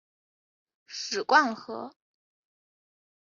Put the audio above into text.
史灌河